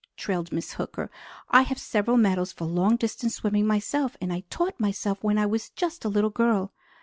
trilled Miss Hooker. "I have several medals for long distance swimming myself, and I taught myself when I was just a little girl."